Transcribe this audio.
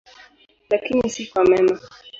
Lakini si kwa mema.